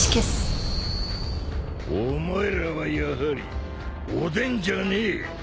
お前らはやはりおでんじゃねえ。